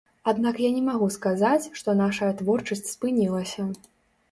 Аднак я не магу сказаць, што нашая творчасць спынілася.